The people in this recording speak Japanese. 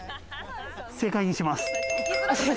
正解にします！